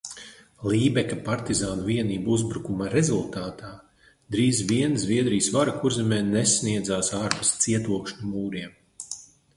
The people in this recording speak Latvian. Lībeka partizānu vienību uzbrukumu rezultātā drīz vien Zviedrijas vara Kurzemē nesniedzās ārpus cietokšņu mūriem.